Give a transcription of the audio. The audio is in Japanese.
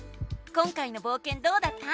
今回のぼうけんどうだった？